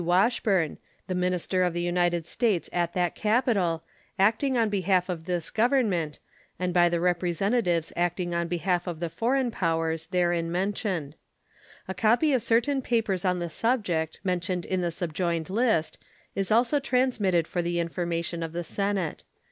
Washburne, the minister of the United States at that capital, acting on behalf of this Government, and by the representatives acting on behalf of the foreign powers therein mentioned. A copy of certain papers on the subject, mentioned in the subjoined list, is also transmitted for the information of the Senate.